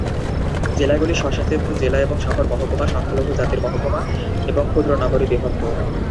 জেলাগুলি স্বশাসিত জেলা এবং শহর মহকুমা, সংখ্যালঘু জাতির মহকুমা এবং ক্ষুদ্র নগরে বিভক্ত।